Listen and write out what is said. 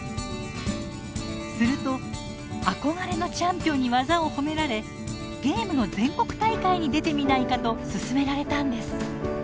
すると憧れのチャンピオンに技を褒められ「ゲームの全国大会に出てみないか」と勧められたんです。